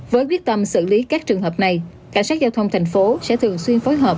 với quyết tâm xử lý các trường hợp này cảnh sát giao thông thành phố sẽ thường xuyên phối hợp